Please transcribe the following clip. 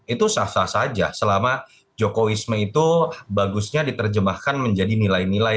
itu sah sah saja selama jokowisme itu bagusnya diterjemahkan menjadi nilai nilai